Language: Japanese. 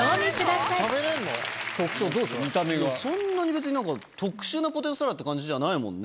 そんなに別になんか特殊なポテトサラダって感じじゃないもんね。